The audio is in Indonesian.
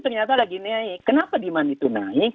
ternyata lagi naik kenapa demand itu naik